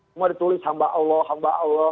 semua ditulis hamba allah hamba allah